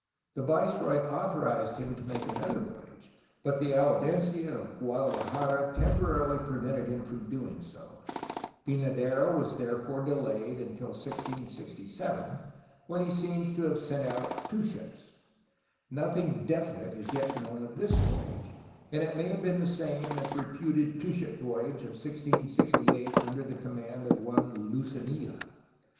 The viceroy authorized him to make another voyage, but the Audiencia of Guadalajara temporarily prevented him from doing so. Pynadero was therefore delayed until 1667, when he seems to have sent out two ships. Nothing definite is yet known of this voyage, and it may have been the same as a reputed two ship voyage of 1668 under the command of one Lucenilla.